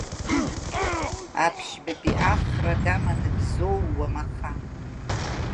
Аԥшьбатәи Ахра даманы Бзоу уамаха!